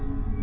aku mau lihat